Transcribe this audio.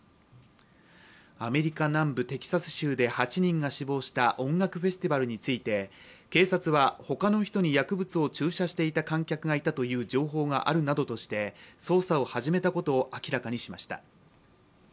アメリカ南部テキサス州で８人が死亡した音楽フェスティバルについて警察は他の人に薬物を注射していた観客がいたという情報があるなどとして捜査を始めたことを明らかにしました。